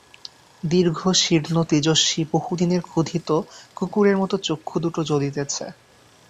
দীর্ঘ, শীর্ণ, তেজস্বী, বহুদিনের ক্ষুধিত কুকুরের মতো চক্ষু দুটো জ্বলিতেছে।